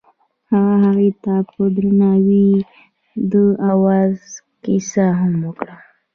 هغه هغې ته په درناوي د اواز کیسه هم وکړه.